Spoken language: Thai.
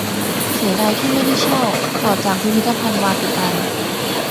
เสียดายที่ไม่ได้เช่า ต่อจากพิพิธภัณฑ์วาติกัน